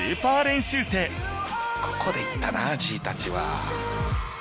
ここでいったなＧたちは。